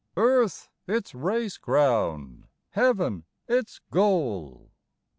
Earth its race ground, Heaven its goal.'